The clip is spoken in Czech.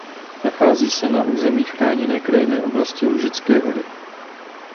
Nachází se na území Chráněné krajinné oblasti Lužické hory.